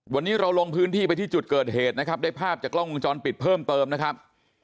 วันนี้เราลงพื้นที่ไปที่จุดเกิดเหตุนะครับได้ภาพจากกล้องวงจรปิดเพิ่มเติมนะครับ